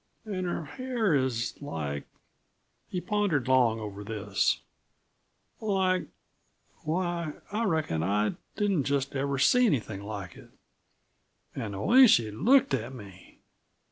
An' her hair is like" he pondered long over this "like why, I reckon I didn't just ever see anything like it. An' the way she looked at me!"